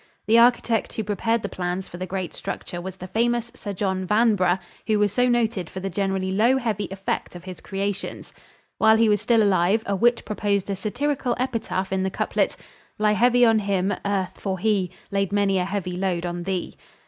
The architect who prepared the plans for the great structure was the famous Sir John Vanbrugh, who was so noted for the generally low heavy effect of his creations. While he was still alive a wit proposed a satirical epitaph in the couplet, "Lie heavy on him, Earth, for he Laid many a heavy load on thee."